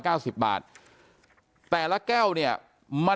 อยู่ดีมาตายแบบเปลือยคาห้องน้ำได้ยังไง